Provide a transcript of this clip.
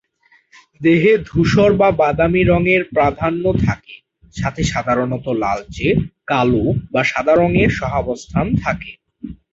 দেহে ধূসর বা বাদামি রঙের প্রাধান্য থাকে, সাথে সাধারণত লালচে, কালো বা সাদা রঙের সহাবস্থান থাকে।